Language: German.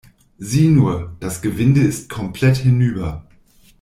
Sieh nur, das Gewinde ist komplett hinüber.